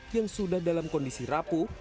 yang sudah dalam kondisi rapuh